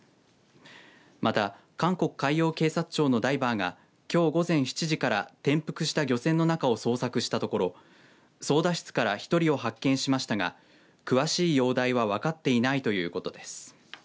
また韓国海洋警察庁のダイバーがきょう午前７時から転覆した漁船の中を捜索したところ、操だ室から１人を発見しましたが詳しい容体は分かっていないということです。